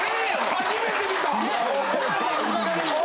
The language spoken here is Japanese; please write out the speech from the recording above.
・初めて見た！